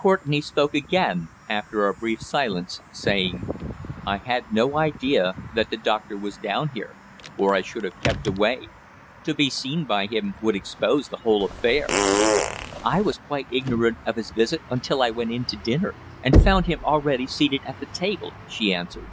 Courtenay spoke again, after a brief silence, saying: "I had no idea that the doctor was down here, or I should have kept away. To be seen by him would expose the whole affair." "I was quite ignorant of his visit until I went in to dinner and found him already seated at table," she answered.